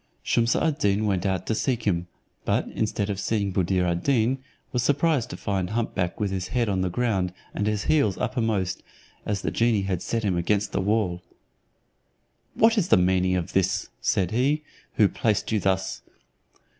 Shumse ad Deen went out to seek him, but, instead of seeing Buddir ad Deen, was surprised to find hump back with his head on the ground, and his heels uppermost, as the genie had set him against the wall. "What is the meaning of this?" said he; "who placed you thus?"